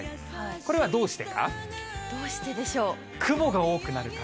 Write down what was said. これはどうしてか？